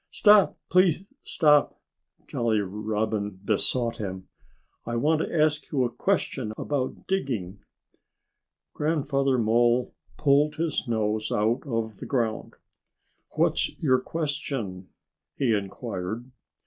"Stop! Please stop!" Jolly Robin besought him. "I want to ask you a question about digging." Grandfather Mole pulled his nose out of the ground. "What's your question?" he inquired.